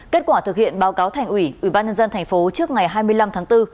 kết quả thực hiện báo cáo thành ủy ubnd tp trước ngày hai mươi năm tháng bốn